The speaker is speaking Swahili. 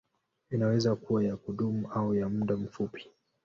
Inaweza kuwa ya kudumu au ya muda mfupi.